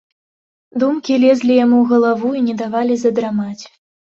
Думкі лезлі яму ў галаву і не давалі задрамаць.